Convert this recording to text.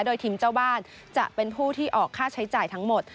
โดยทีมเจ้าบ้านจะเป็นผู้ที่ออกค่าใช้จ่ายทั้งหมด